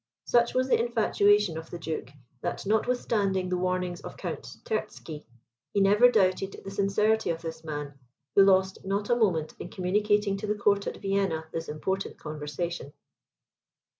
Such was the infatuation of the Duke, that notwithstanding the warnings of Count Terzky, he never doubted the sincerity of this man, who lost not a moment in communicating to the court at Vienna this important conversation.